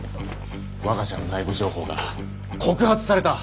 我が社の内部情報が告発された！